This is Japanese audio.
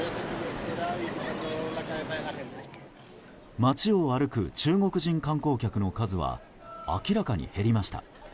街を歩く中国人観光客の数は明らかに減りました。